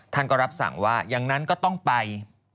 ท่านก็รับสั่งว่าอย่างนั้นก็ต้องไป